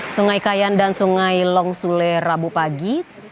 sungai kayan dan sungai long sule rabu pagi